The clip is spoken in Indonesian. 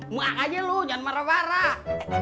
makanya lu jangan marah marah